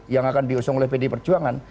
yang akan diusung oleh pdi perjuangan